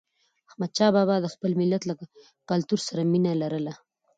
احمدشاه بابا د خپل ملت له کلتور سره مینه لرله.